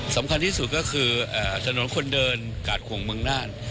สำคัญที่สุดก็คือถนนคนเดินกาดขวงเมืองน่าน